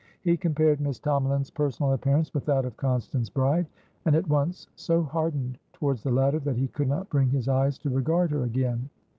He compared Miss Tomalin's personal appearance with that of Constance Bride, and at once so hardened towards the latter that he could not bring his eyes to regard her again.